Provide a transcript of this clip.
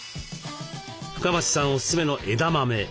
深町さんおすすめの枝豆。